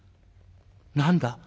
「何だ？」。